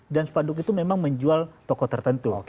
dan spanduk itu memang menjual toko tertentu